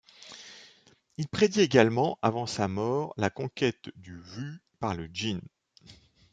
Il prédit également, avant sa mort la conquête du Wu par le Jin.